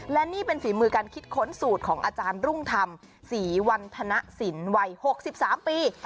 และนี่เป็นฝีมือการคิดค้นสูตรของอาจารย์รุ่งธรรมศรีวันธนสินวัย๖๓ปี